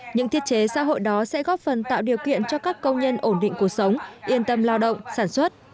những thiết chế xã hội đó sẽ góp phần tạo điều kiện cho các công nhân ổn định cuộc sống yên tâm lao động sản xuất